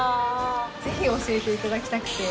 ぜひ教えていただきたくて。